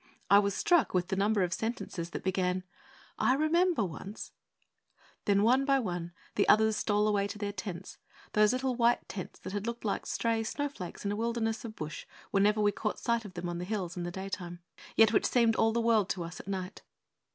I was struck with the number of sentences that began '_I remember once _.' Then, one by one, the others stole away to their tents those little white tents that had looked like stray snowflakes in a wilderness of bush whenever we caught sight of them from the hills in the daytime, yet which seemed all the world to us at night.